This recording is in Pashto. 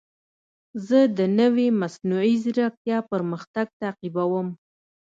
زه د نوې مصنوعي ځیرکتیا پرمختګ تعقیبوم.